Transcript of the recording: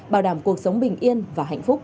bảo đảm cuộc sống bình yên và hạnh phúc